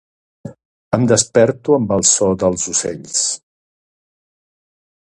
Em desperto amb el so dels ocells.